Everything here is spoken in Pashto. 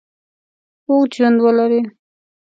اوږد ژوند ولري.